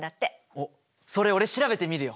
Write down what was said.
おっそれ俺調べてみるよ！